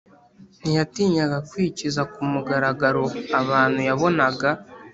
ntiyatinyaga kwikiza ku mugaragaro abantu yabonaga